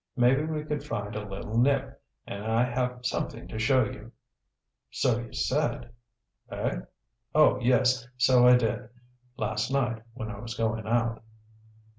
Maybe we could find a little nip. And I have something to show you." "So you said." "Eh? Oh, yes, so I did. Last night, when I was going out."